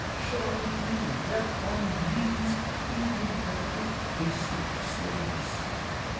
Shall I deal death on these Even though they seek to slay us?